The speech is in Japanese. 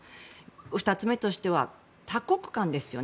２つ目としては、多国間ですね。